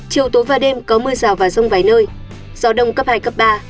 chiều tối và đêm có mưa rào và rông vài nơi gió đông cấp hai cấp ba